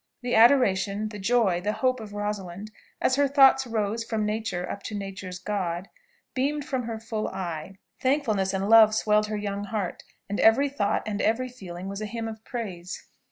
The adoration, the joy, the hope of Rosalind, as her thoughts rose "from Nature up to Nature's God," beamed from her full eye; thankfulness and love swelled her young heart, and every thought and every feeling was a hymn of praise.